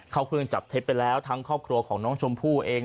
เข้าเครื่องจับเท็จไปแล้วทั้งครอบครัวของน้องชมพู่เอง